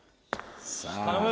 頼む！